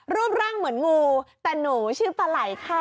รูปร่างเหมือนงูแต่หนูชื่อปลาไหล่ค่ะ